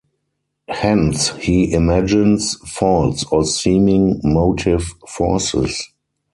Hence he imagines false or seeming motive forces.